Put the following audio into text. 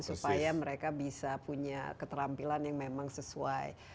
supaya mereka bisa punya keterampilan yang memang sesuai